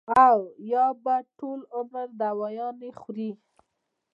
او يا به ټول عمر دوايانې خوري -